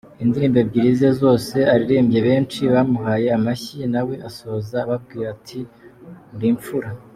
Indirimbo ebyiri ze zose aririmbye benshi bamuhaye amashyi, nawe asoza ababwira ati ‘muri imfura’.